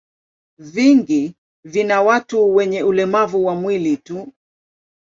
Vingi vina watu wenye ulemavu wa mwili tu.